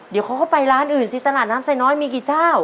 เดี๋ยวเขาก็ไปร้านอื่นสิตลาดน้ำไซน้อยมีกี่เจ้า